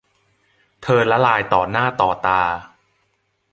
เธอละลายต่อหน้าต่อตา